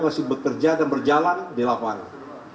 masih bekerja dan berjalan di lapangan